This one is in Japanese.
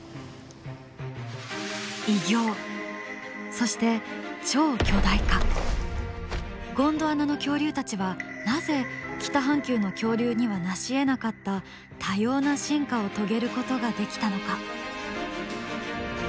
そしてゴンドワナの恐竜たちはなぜ北半球の恐竜にはなしえなかった多様な進化をとげることができたのか？